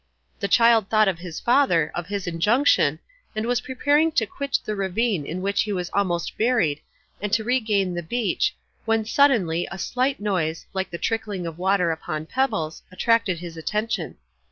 The child thought of his father, of his injunction, and was preparing to quit the ravine in which he was almost buried, and to regain the beach, when suddenly a slight noise, like the trickling of water upon pebbles, attracted his attention.